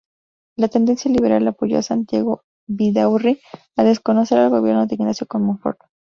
De tendencia liberal, apoyó a Santiago Vidaurri al desconocer al gobierno de Ignacio Comonfort.